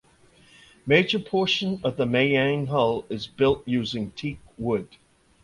Major portion of the mayang hull is built using teak wood.